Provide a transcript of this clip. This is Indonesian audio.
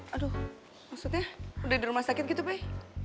aduh maksudnya udah di rumah sakit gitu pak